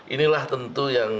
inilah tentu yang